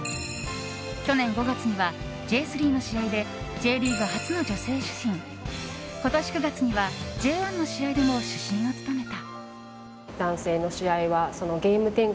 去年５月にはＪ３の試合でＪリーグ初の女性主審今年９月にはＪ１の試合でも主審を務めた。